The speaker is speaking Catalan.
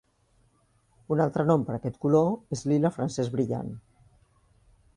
Un altre nom per aquest color és lila francès brillant.